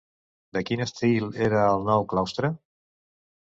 De quin estil era el nou claustre?